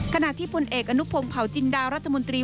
ขณะที่ผลเอกอนุพงศ์เผาจินดารัฐมนตรี